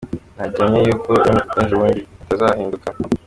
Nta gihamya y’uko ejo n’ejobundi bitazahinduka.